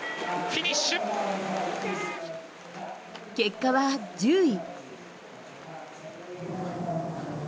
結果は１０位。